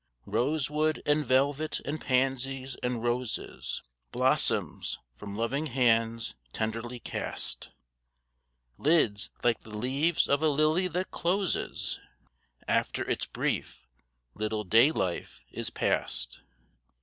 Rosewood, and velvet, and pansies, and roses, Blossoms from loving hands tenderly cast. Lids like the leaves of a lily that closes After its brief little day life is past.